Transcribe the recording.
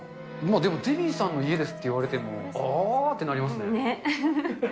でも、デヴィさんの家ですって言われても、ああってなりますね。ねぇ。